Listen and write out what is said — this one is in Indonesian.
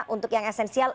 untuk yang esensial